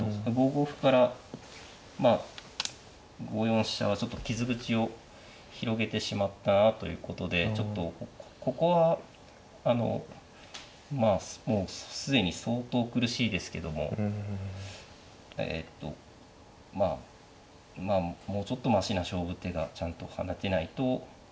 ５五歩からまあ５四飛車はちょっと傷口を広げてしまったなということでちょっとここはまあ既に相当苦しいですけどもえとまあもうちょっとましな勝負手がちゃんと放てないと